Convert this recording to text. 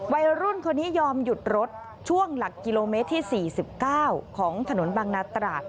วัยรุ่นคนนี้ยอมหยุดรถช่วงหลักกิโลเมตรที่๔๙ของถนนบางนาตราด